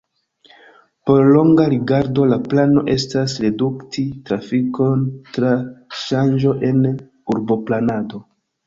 Por longa rigardo la plano estas redukti trafikon tra ŝanĝo en urboplanado.